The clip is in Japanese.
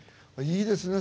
いいですね